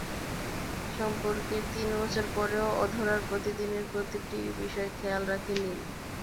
সম্পর্কের তিন বছর পরও অধরার প্রতিদিনের প্রতিটি বিষয় খেয়াল রাখে নীল।